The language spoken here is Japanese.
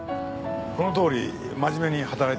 このとおり真面目に働いてます。